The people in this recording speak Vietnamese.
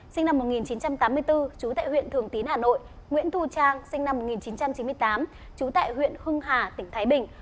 sinh năm một nghìn chín trăm tám mươi bốn trú tại huyện thường tín hà nội nguyễn thu trang sinh năm một nghìn chín trăm chín mươi tám trú tại huyện hưng hà tỉnh thái bình